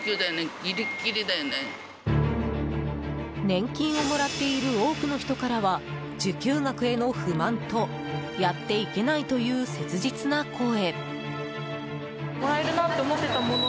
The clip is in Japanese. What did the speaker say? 年金をもらっている多くの人からは受給額への不満とやっていけないという切実な声。